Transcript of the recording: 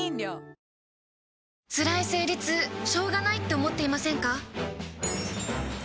つらい生理痛しょうがないって思っていませんか？